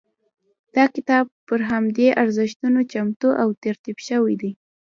دا کتاب پر همدې ارزښتونو چمتو او ترتیب شوی دی.